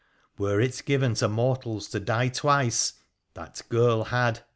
Were it given to mortals to die twice, that jirl had